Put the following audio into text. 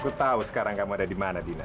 aku tahu sekarang kamu ada di mana dina